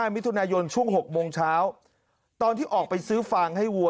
มิถุนายนช่วง๖โมงเช้าตอนที่ออกไปซื้อฟางให้วัว